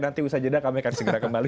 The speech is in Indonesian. nanti usaha jeda kami akan segera kembali